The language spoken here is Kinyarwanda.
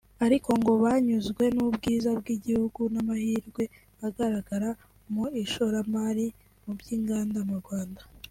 ariko ngo banyuzwe n’ubwiza bw’igihugu n’amahirwe agaragara mu ishoramari mu by’inganda mu Rwanda